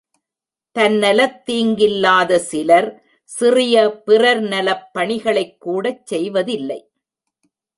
தன்னலத் தீங்கில்லாத சிலர் சிறிய பிறர் நலப் பணிகளைக் கூடச் செய்வதில்லை.